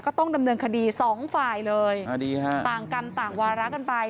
ก็ต้องดำเนินคดีสองฝ่ายเลยอ่าดีฮะต่างกรรมต่างวาระกันไป